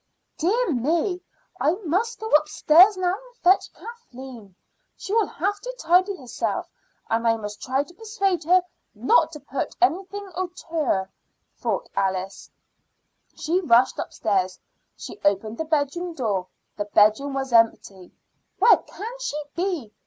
"Dear me! I must go upstairs now and fetch Kathleen. She will have to tidy herself, and I must try to persuade her not to put on anything outre," thought Alice. She rushed upstairs. She opened the bedroom door. The bedroom was empty. "Where can she be?"